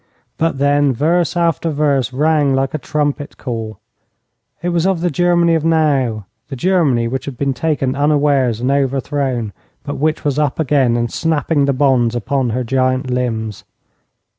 But then verse after verse rang like a trumpet call. It was of the Germany of now, the Germany which had been taken unawares and overthrown, but which was up again, and snapping the bonds upon her giant limbs.